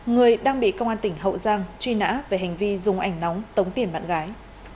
người đang bị công an tỉnh hậu giang truy nã về hành vi dùng ảnh nóng tống tiền bạn gái